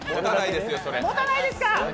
もたないですか？